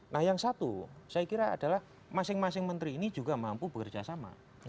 nah yang satu saya kira adalah masing masing menteri ini juga mampu bekerja sama